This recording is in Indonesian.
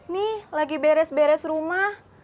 nih lagi beres beres rumah